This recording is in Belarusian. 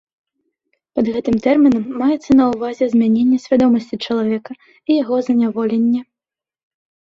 Пад гэтым тэрмінам маецца на ўвазе змяненне свядомасці чалавека і яго заняволенне.